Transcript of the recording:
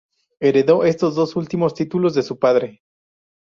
Heredó estos dos últimos títulos de su padre.